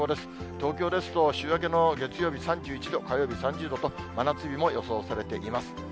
東京ですと、週明けの月曜日３１度、火曜日３０度と、真夏日も予想されています。